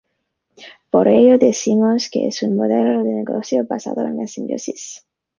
Por ello decimos que es un modelo de negocio basado en la simbiosis.